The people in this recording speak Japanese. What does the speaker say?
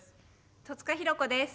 戸塚寛子です。